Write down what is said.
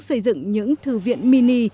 xây dựng những thư viện mini